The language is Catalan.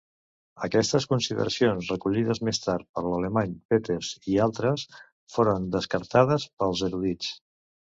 Aquestes consideracions, recollides més tard per l'alemany Peters i altres, foren descartades pels erudits.